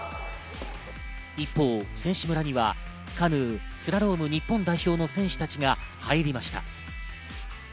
一方、選手村にはカヌー・スラローム日本代表の選手たちが入りました。